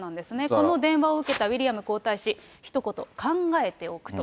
この電話を受けたウィリアム皇太子、一言、考えておくと。